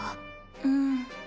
うん。